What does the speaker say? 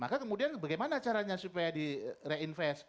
maka kemudian bagaimana caranya supaya di reinvest